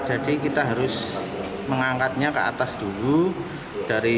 jadi kita harus mengangkatnya ke atas tubuh